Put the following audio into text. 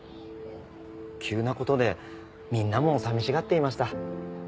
急な事でみんなも寂しがっていました。